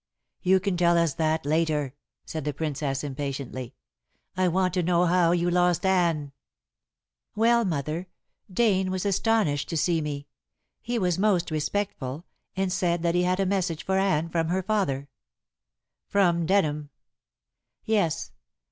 "You can tell us that later," said the Princess impatiently. "I want to know how you lost Anne." "Well, mother, Dane was astonished to see me. He was most respectful, and said that he had a message for Anne from her father " "From Denham." "Yes.